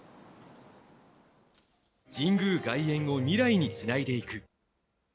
神宮外苑を未来につないでいく。